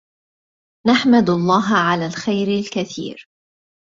نحمد الله على الخير الكثير